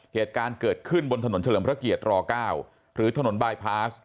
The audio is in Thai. เหตุการณ์เกิดขึ้นบนถนนเฉลิมพระเกียรติร๙หรือถนนบายพาส